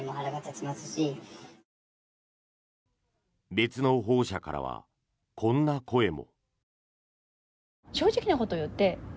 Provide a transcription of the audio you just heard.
別の保護者からはこんな声も。